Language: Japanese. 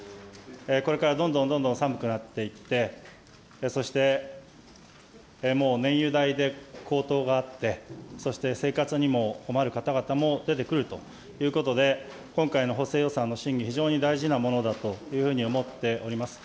これからどんどんどんどん寒くなっていって、そしてもう燃油代で高騰があって、そして生活にも困る方々も出てくるということで、今回の補正予算の審議、非常に大事なものだというふうに思っております。